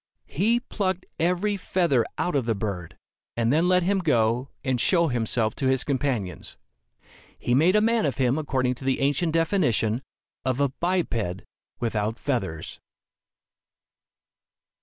He plucked every feather out of the bird, and then let him go and show himself to his companions. He made a man of him according to the ancient definition of a "biped without feathers."